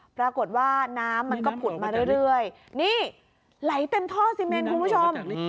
ปรากฏว่าน้ำมันก็ผุดมาเรื่อยนี่ไหลเต็มท่อซีเมนคุณผู้ชม